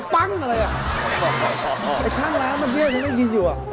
โปรดติดตามตอนต่อไป